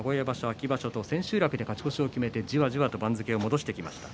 秋場所で千秋楽勝ち越しを決めてじわじわと番付を戻してきました。